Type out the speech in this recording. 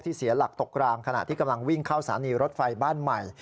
เสียหลักตกรางขณะที่กำลังวิ่งเข้าสถานีรถไฟบ้านใหม่